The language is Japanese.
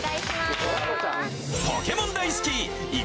ポケモン大好き！＝